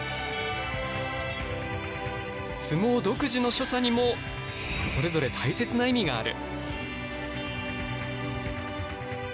相撲独自の所作にもそれぞれ大切な意味がある。